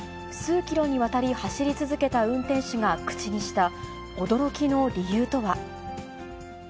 数キロにわたり走り続けた運転手が口にした、驚きの理由とは。